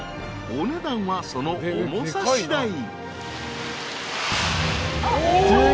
［お値段はその重さ次第］